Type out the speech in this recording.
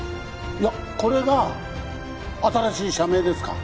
いやこれが新しい社名ですか？